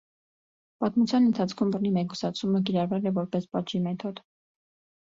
Պատմության ընթացքում բռնի մեկուսացումը (մեկուսի կալանք) կիրառվել է որպես պատժի մեթոդ։